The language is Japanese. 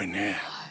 はい。